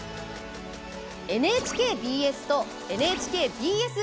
ＮＨＫＢＳとＮＨＫＢＳ